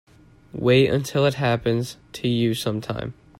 Wait until it happens to you sometime.